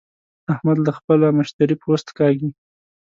احمد له خپله مشتري پوست کاږي.